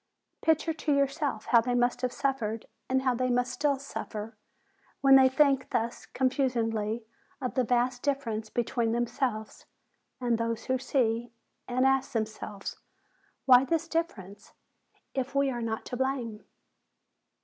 Picture to yourself how they must have suffered, and how they must still suffer, when they think thus confusedly of the vast difference between themselves 'and those who see, and ask themselves, "Why this difference, if we are not to blame?'